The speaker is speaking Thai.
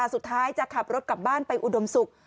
สุดท้ายจะขับรถกลับบ้านไปอุดมศุกร์